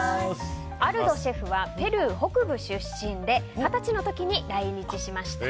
アルドシェフはペルー北部出身で二十歳の時に来日しました。